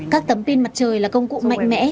các tấm pin mặt trời là công cụ mạnh mẽ